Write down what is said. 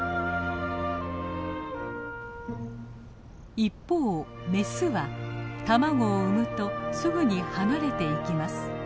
一方メスは卵を産むとすぐに離れていきます。